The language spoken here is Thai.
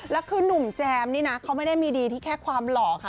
แล้วคือนุ่มแจมนี่นะเขาไม่ได้มีดีที่แค่ความหล่อค่ะ